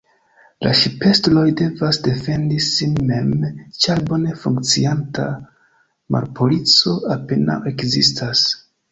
La ŝipestroj devas defendi sin mem, ĉar bone funkcianta marpolico apenaŭ ekzistas.